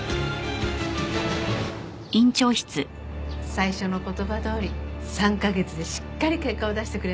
最初の言葉どおり３カ月でしっかり結果を出してくれましたね。